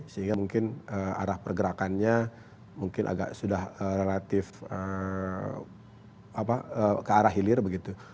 sehingga mungkin arah pergerakannya mungkin agak sudah relatif ke arah hilir begitu